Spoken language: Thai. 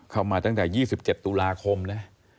เข้ามาตั้งแต่๒๗ตุลาคมนะ